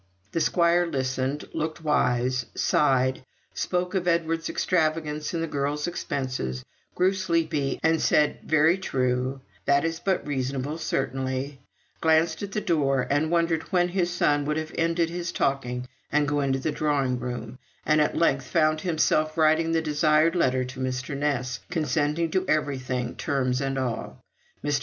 The squire listened, looked wise, sighed; spoke of Edward's extravagance and the girls' expenses, grew sleepy, and said, "Very true," "That is but reasonable, certainly," glanced at the door, and wondered when his son would have ended his talking and go into the drawing room; and at length found himself writing the desired letter to Mr. Ness, consenting to everything, terms and all. Mr.